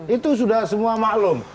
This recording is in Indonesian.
itu sudah semua maklum